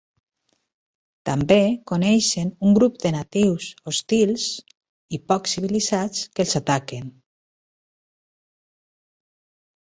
També coneixen un grup de natius hostils i poc civilitzats que els ataquen.